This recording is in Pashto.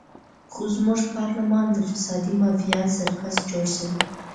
خو زموږ پارلمان د فسادي مافیا سرکس جوړ شوی.